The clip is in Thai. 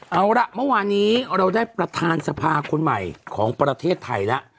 เอาล่ะเมื่อวานนี้เราได้ประธานสภาคนใหม่ของประเทศไทยแล้ว